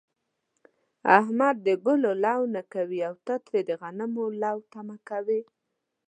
احمد د گلو لو نه کوي، او ته ترې د غنمو لو تمه کوې.